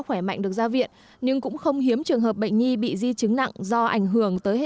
khỏe mạnh được ra viện nhưng cũng không hiếm trường hợp bệnh nhi bị di chứng nặng do ảnh hưởng tới hệ